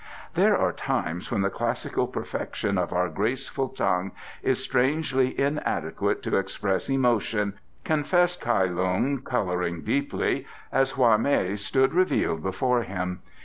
"There are times when the classical perfection of our graceful tongue is strangely inadequate to express emotion," confessed Kai Lung, colouring deeply, as Hwa mei stood revealed before him.